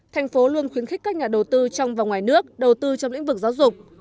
thành phố luôn khuyến khích các nhà đầu tư trong và ngoài nước đầu tư trong lĩnh vực giáo dục